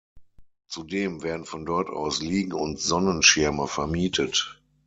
Zudem werden von dort aus Liegen und Sonnenschirme vermietet.